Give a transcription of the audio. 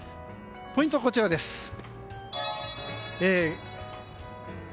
ポイントはこちらです。